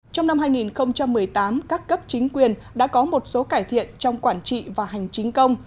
trong năm hai nghìn một mươi tám các cấp chính quyền đã có một số cải thiện trong quản trị và hành chính công